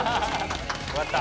よかった。